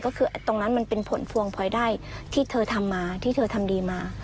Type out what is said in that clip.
ก็คือตรงนั้นมันเป็นผลพวงพลอยได้ที่เธอทำมาที่เธอทำดีมา